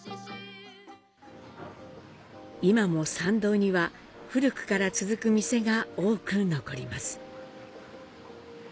今も参道には古くから続く店が多く残ります。